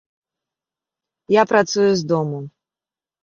Я працую з дому.